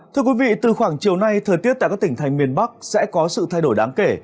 thưa quý vị từ khoảng chiều nay thời tiết tại các tỉnh thành miền bắc sẽ có sự thay đổi đáng kể